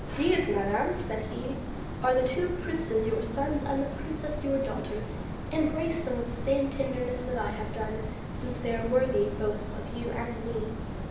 These, madame," said he, "are the two princes, your sons, and the princess, your daughter; embrace them with the same tenderness that I have done, since they are worthy both of you and of me."